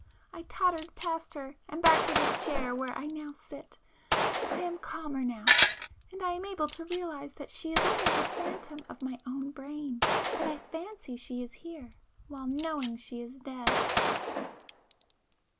I tottered past her and back to this chair where I now sit,——I am calmer now, and I am able to realize that she is only the phantom of my own brain—that I fancy she is here while knowing she is dead.